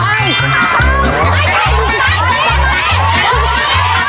ไปไป